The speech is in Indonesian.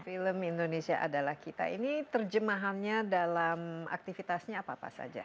film indonesia adalah kita ini terjemahannya dalam aktivitasnya apa apa saja